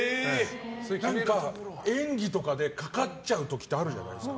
何か、演技とかでかかっちゃう時ってあるじゃないですか。